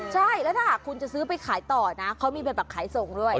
ใช่แล้วถ้าหากคุณจะซื้อไปขายต่อนะเขามีเป็นแบบขายส่งด้วย